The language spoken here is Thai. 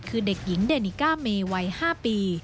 คือเด็กหญิงเดนิก้าเมย์วัย๕ปี